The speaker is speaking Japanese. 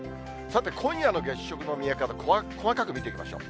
さて、今夜の月食の見え方、細かく見ていきましょう。